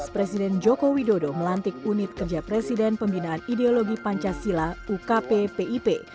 presiden joko widodo melantik unit kerja presiden pembinaan ideologi pancasila ukppip